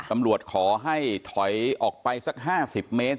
ตำรวจขอให้ถอยออกไปสัก๕๐เมตร